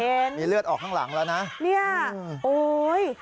มีเลือดออกข้างหลังแล้วนะเนี่ยโอ้ย